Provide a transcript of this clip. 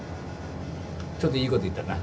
ちょっといいこと言ったな！